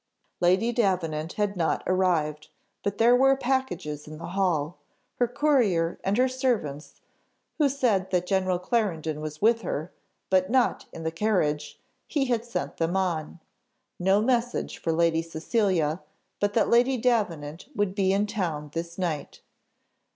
Lady Davenant had not arrived, but there were packages in the hall, her courier, and her servants, who said that General Clarendon was with her, but not in the carriage; he had sent them on. No message for Lady Cecilia, but that Lady Davenant would be in town this night.